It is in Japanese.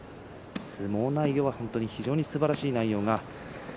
相撲内容は非常にすばらしい内容です。